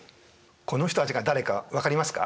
この人たちが誰か分かりますか？